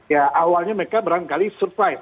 ya awalnya mereka barangkali survive